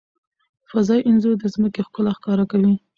فضايي انځور د ځمکې ښکلا ښکاره کوي.